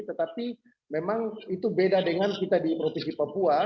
tetapi memang itu beda dengan kita di provinsi papua